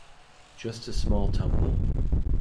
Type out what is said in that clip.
Just a small tumble.